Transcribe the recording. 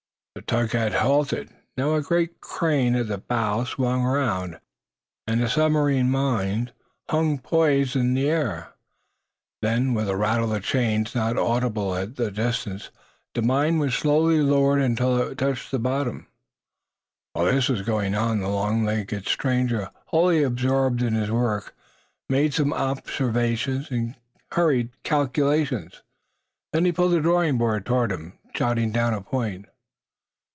The tug had halted, now. A great crane at the bow swung around, and a submarine mine hung poised in the air. Then, with a rattle of chains not audible at the distance, the mine was slowly lowered until it touched on bottom. While this was going on, the long legged stranger, wholly absorbed in his own work, made some observations and some hurried calculations. Then he pulled the drawing board toward him, jotting down a point.